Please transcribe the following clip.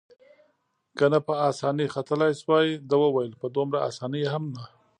که نه په اسانۍ ختلای شوای، ده وویل: په دومره اسانۍ هم نه.